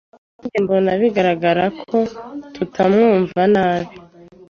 Kuri njye mbona bigaragara ko tutamwumva nabi.